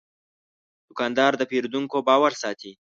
دوکاندار د پیرودونکو باور ساتي.